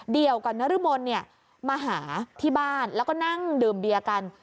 เดี่ยวกับนารูมนมาหาที่บ้านแล้วก็นั่งดื่มเบียนกัน